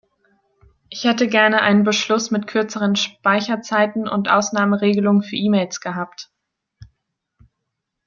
Ich hätte gern einen Beschluss mit kürzeren Speicherzeiten, und Ausnahmeregelungen für E-Mails gehabt.